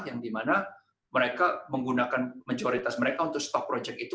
yang dimana mereka menggunakan majoritas mereka untuk stop project itu